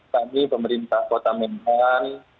kami pemerintah kota medan